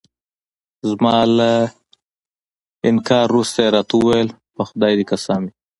زما له انکار وروسته يې راته وویل: په خدای دې قسم وي.